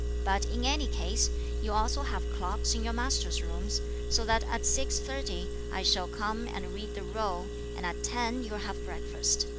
But, in any case, you also have clocks in your master's rooms, so that at 6.30, I shall come and read the roll, and at ten you'll have breakfast.